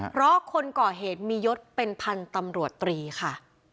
เพราะคนก่อเหตุมียศเป็นพันธุ์ตำรวจตรีค่ะ